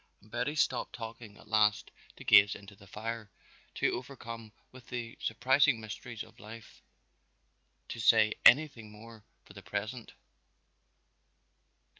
And Betty stopped talking at last to gaze into the fire, too overcome with the surprising mysteries of life to say anything more for the present.